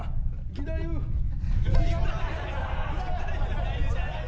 ・義太夫じゃない。